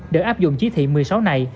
để áp dụng chí thị một mươi sáu này